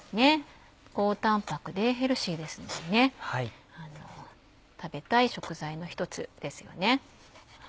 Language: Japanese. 高タンパクでヘルシーですので食べたい食材の一つですよね。